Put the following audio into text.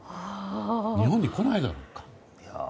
日本に来ないだろうか。